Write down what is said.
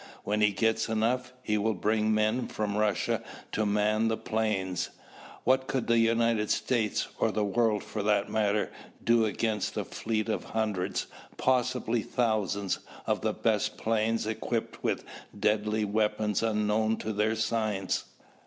When he gets enough, he will bring men from Russia to man the planes. What could the United States, or the world for that matter, do against a fleet of hundreds, possibly thousands, of the best planes equipped with deadly weapons unknown to their science?